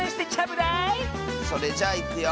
それじゃいくよ。